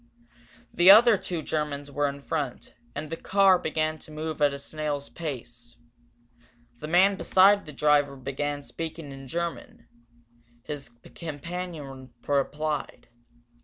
The other two Germans were in front, and the car began to move at a snail's pace. The man beside the driver began speaking in German, his companion replied.